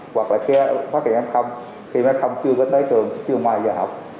hoặc là khi phát hiện f khi mà f chưa có tới trường chưa ngoài giờ học